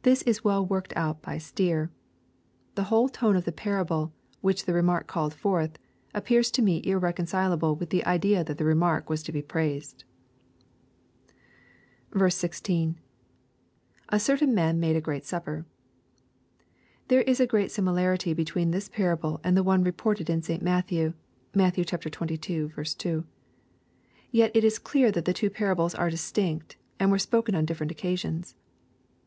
This is well worked out by Stier. The whole tone of the parable which the remark called forth, ap pears to me irreconcileable with the idea that the remark was to be praised. 16. — [A certain man rnade a great supper.] There is a great simi larity betweim this parable and the one reported by St. Matthew. (Matt xxii. 2.) Yet it is clear that the two parables are distinct, and were spoken on different occasions.